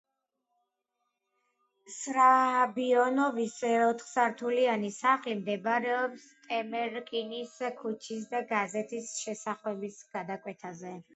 სრაბიონოვის ოთხსართულიანი სახლი მდებარეობს ტემერნიკის ქუჩისა და გაზეთის შესახვევის გადაკვეთაზე.